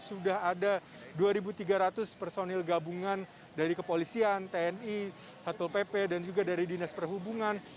sudah ada dua tiga ratus personil gabungan dari kepolisian tni satpol pp dan juga dari dinas perhubungan